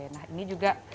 nah ini juga